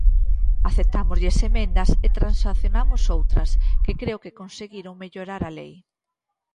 Aceptámoslle emendas e transaccionamos outras, que creo que conseguiron mellorar a lei.